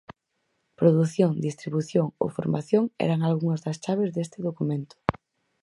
Produción, distribución ou formación eran algunhas das chaves deste documento.